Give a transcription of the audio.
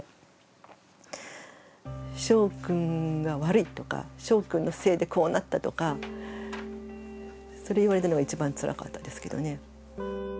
しょうくんが悪いとかしょうくんのせいでこうなったとかそれ言われるのが一番つらかったですけどね。